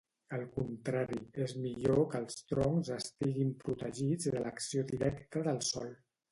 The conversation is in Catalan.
Al contrari, és millor que els troncs estiguin protegits de l'acció directa del sol.